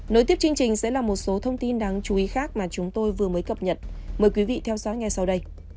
nối tiếp chương trình sẽ là một số thông tin đáng chú ý khác mà chúng tôi vừa mới cập nhật mời quý vị theo dõi ngay sau đây